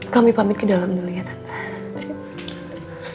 kami pamit ke dalam dulu ya tante